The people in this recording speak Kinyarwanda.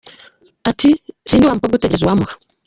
Ati “Si ndi wa mukobwa utegereze uwamuha.